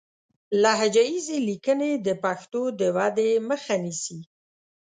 لهجه ييزې ليکنې د پښتو د ودې مخه نيسي